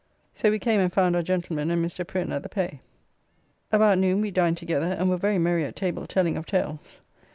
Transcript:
So we came and found our gentlemen and Mr. Prin at the pay. About noon we dined together, and were very merry at table telling of tales.